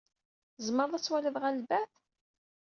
Tzemred ad twalid ɣer lbeɛd?